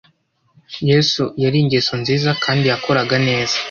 Yesu yari ingeso nziza kandi yakoraga neza